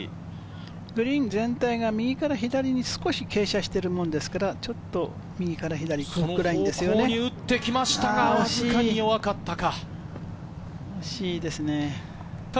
グリーン全体が右から左へ少し傾斜してるものですから、ちょっと右からそこに打ってきましたが、惜しいですね。